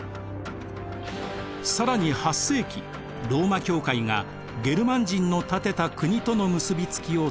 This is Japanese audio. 更に８世紀ローマ教会がゲルマン人の建てた国との結びつきを強めます。